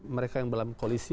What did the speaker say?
mereka yang dalam koalisi